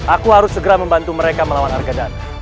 aku harus segera membantu mereka melawan argen